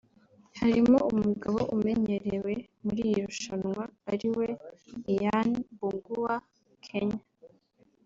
harimo umugabo umenyerewe muri iri rushanwa ariwe Ian Mbugua(Kenya)